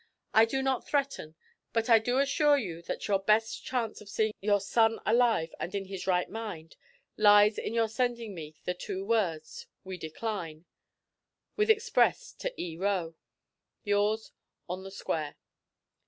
I do not threaten, but I do assure you that your best chance of seeing your son alive and in his right mind lies in your sending me the two words, "We decline," with express to E. Roe. 'Yours, 'ON THE SQUARE.'